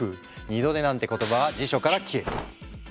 二度寝なんて言葉は辞書から消える。